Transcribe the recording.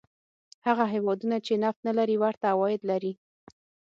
هغه هېوادونه چې نفت نه لري ورته عواید لري.